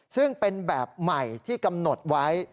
ซึ่งเป็นแบบใหม่ที่กำหนดไว้